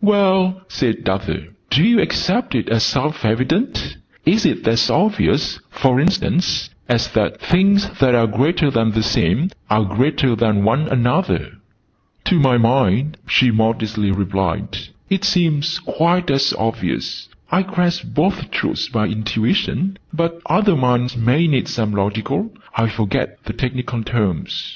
"Well," said Arthur, "do you accept it as self evident? Is it as obvious, for instance, as that 'things that are greater than the same are greater than one another'?" "To my mind," she modestly replied, "it seems quite as obvious. I grasp both truths by intuition. But other minds may need some logical I forget the technical terms."